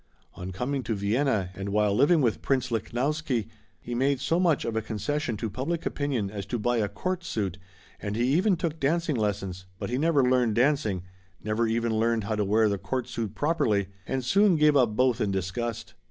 On coming to Vienna, and while living with Prince Lichnowsky, he made so much of a concession to public opinion as to buy a court suit, and he even took dancing lessons, but he never learned dancing, never even learned how to wear the court suit properly, and soon gave up both in disgust.